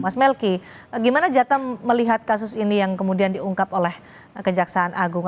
mas melki gimana jatah melihat kasus ini yang kemudian diungkap oleh kejaksaan agung